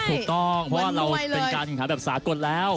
ถูกต้องเพราะว่าเราเป็นการแบบสาหกฎแล้ว